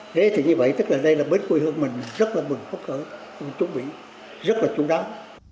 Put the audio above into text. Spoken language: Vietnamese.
thế thì như vậy tức là đây là bến quê hương mình rất là mừng khóc khởi mình chuẩn bị rất là chú đáng